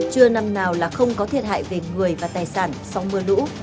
chưa năm nào là không có thiệt hại về người và tài sản sau mưa lũ